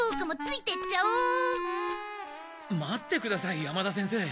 待ってください山田先生。